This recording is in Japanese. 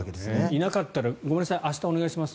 いなかったらごめんなさい、明日お願いします